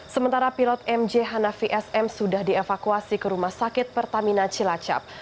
sementara pilot mj hanafi sm sudah dievakuasi ke rumah sakit pertamina cilacap